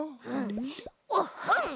おっほん！